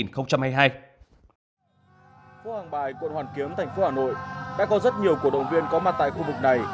phố hàng bài quận hoàn kiếm thành phố hà nội đã có rất nhiều cổ động viên có mặt tại khu vực này